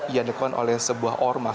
yang dilakukan oleh sebuah ormas